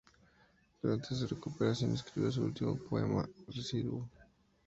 Durante su recuperación, escribió su último poema: Residuo.